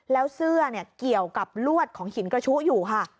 แล้วเสื้อเกี่ยวกับลวดของหินกระชุอยู่ค่ะ